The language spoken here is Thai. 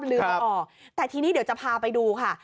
ลืมออกแต่ทีนี้เดี๋ยวจะพาไปดูค่ะ